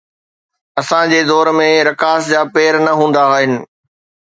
اسان جي دور ۾ رقاص جا پير نه هوندا آهن